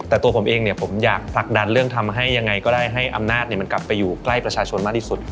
แต่ตัวผมเองเนี่ยผมอยากผลักดันเรื่องทำให้ยังไงก็ได้ให้อำนาจมันกลับไปอยู่ใกล้ประชาชนมากที่สุด